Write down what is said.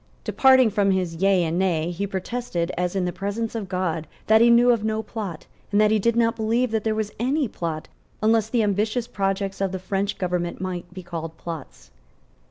Departing from his Yea and Nay, he protested, as in the presence of God, that he knew of no plot, and that he did not believe that there was any plot, unless the ambitious projects of the French government might be called plots.